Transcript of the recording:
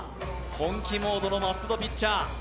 本気モードのマスク・ド・ピッチャー。